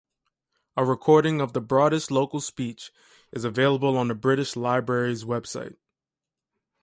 A recording of the broadest local speech is available on the British Library's website.